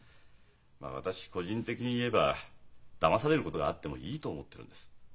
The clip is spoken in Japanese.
まあ私個人的に言えばだまされることがあってもいいと思ってるんです。